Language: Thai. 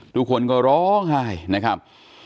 ทุกคนก็ร้องไห้นะครับ